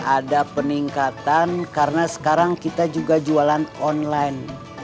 ada peningkatan karena sekarang kita juga jualan online